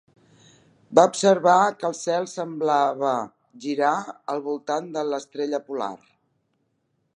Va observar que el cel semblava girar al voltant de l'estrella polar.